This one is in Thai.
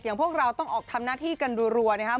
พวกเราต้องออกทำหน้าที่กันรัวนะครับ